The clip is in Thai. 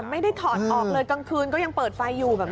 ไม่ได้ถอดออกเลยกลางคืนก็ยังเปิดไฟอยู่แบบนี้